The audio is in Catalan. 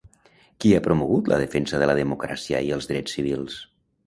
Qui ha promogut la defensa de la democràcia i els drets civils?